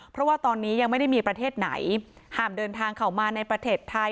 เพราะว่าตอนนี้ยังไม่ได้มีประเทศไหนห้ามเดินทางเข้ามาในประเทศไทย